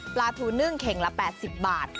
ปลาทูนึ่งเข่งละ๘๐บาท